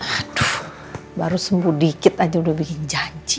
aduh baru sembuh dikit aja udah bikin janji